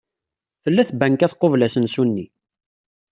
Tella tbanka tqubel asensu-nni.